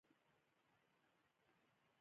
پلار: لورې ماستا نکاح